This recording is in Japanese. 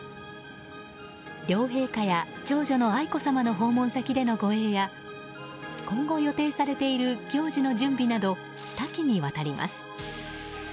両陛下や長女の愛子さまの訪問先での護衛や今後予定されている行事の準備など多岐にわたります。